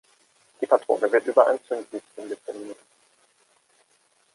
Die Patrone wird über ein Zündhütchen gezündet.